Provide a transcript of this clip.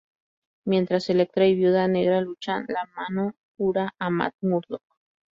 Mientras Elektra y Viuda Negra luchan, La Mano cura a Matt Murdock.